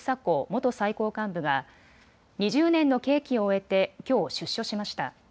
元最高幹部が２０年の刑期を終えてきょう出所しました。